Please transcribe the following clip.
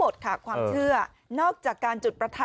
พี่ทำยังไงฮะ